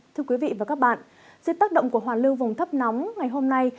thưa quý vị và các bạn dưới tác động của hoàn lưu vùng thấp nóng ngày hôm nay